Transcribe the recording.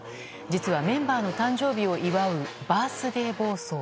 実は、メンバーの誕生日を祝うバースデー暴走。